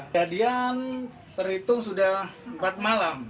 jadian terhitung sudah empat malam